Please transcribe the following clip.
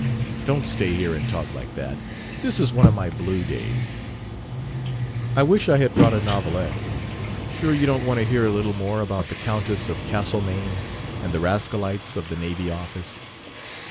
"Don't stay here and talk like that. This is one of my blue days." "I wish I had brought a novelette. Sure you don't want to hear a little more about the Countess of Castlemaine and the rascalities of the Navy Office?"